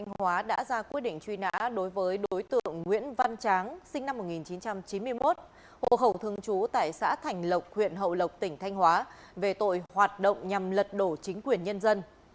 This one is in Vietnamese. hồ khẩu thương chú tại xã thành lộc huyện hậu lộc tỉnh thanh hóa về tội hoạt động nhằm lật đổ chính quyền nhân dân